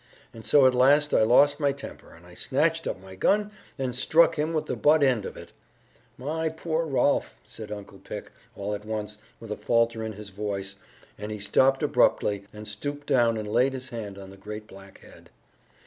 And so at last I lost my temper, and I snatched up my gun and struck him with the butt end of it. My poor Rolf!" said Uncle Pick, all at once, with a falter in his voice; and he stopped abruptly, and stooped down and laid his hand on the great black head.